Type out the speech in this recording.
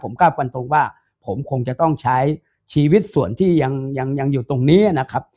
ผมกล้าฟันตรงว่าผมคงจะต้องใช้ชีวิตส่วนที่ยังอยู่ตรงนี้นะครับ